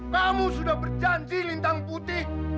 kamu sudah berjanji lintang putih